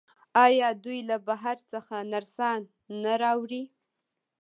آیا دوی له بهر څخه نرسان نه راوړي؟